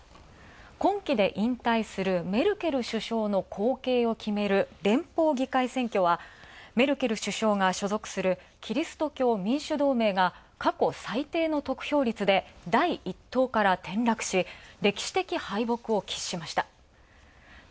こんきで引退するメルケル首相の後継を決める連邦議会制度はメルケル首相が所属する過去最低の得票率で第１党から転落し、歴史的敗北を喫しました。